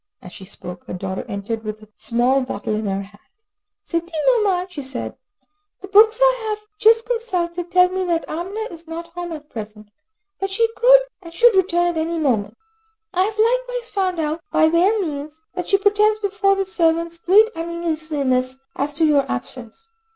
As she spoke, her daughter entered with a small bottle in her hand. "Sidi Nouman," she said, "the books I have just consulted tell me that Amina is not home at present, but she should return at any moment. I have likewise found out by their means, that she pretends before the servants great uneasiness as to your absence.